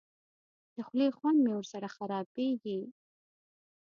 د خولې خوند مې ورسره خرابېږي.